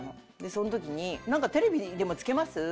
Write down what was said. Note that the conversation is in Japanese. その時に「なんかテレビでもつけます？」